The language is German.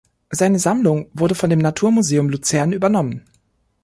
Seine Sammlung wurde von dem Natur-Museum Luzern übernommen.